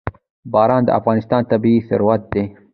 باران د افغانستان طبعي ثروت دی.